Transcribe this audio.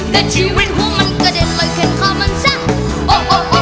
แต่ชีวิตหัวมันกระเด็นไล่เข้นข้ามันซะโอ้โอ้โอ้โอ้